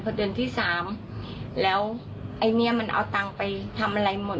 พอเดือนที่สามแล้วไอ้เนี้ยมันเอาตังค์ไปทำอะไรหมด